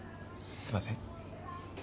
すいません